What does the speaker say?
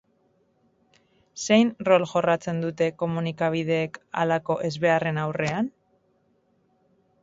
Zein rol jorratzen dute komunikabideek halako ezbeharren aurrean?